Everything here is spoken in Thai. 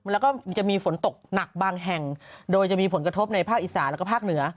แล้วก็จะมีฝนตกหนักบางแห่งโดยจะมีผลกระทบในภาคอีสานแล้วก็ภาคเหนือ